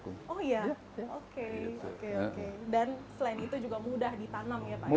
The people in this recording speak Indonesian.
dan selain itu juga mudah ditanam ya pak